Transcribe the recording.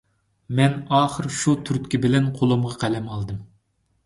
مەن ئاخىر شۇ تۈرتكە بىلەن قولۇمغا قەلەم ئالدىم.